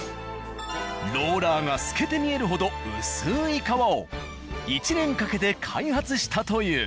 ローラーが透けて見えるほど薄い皮を１年かけて開発したという。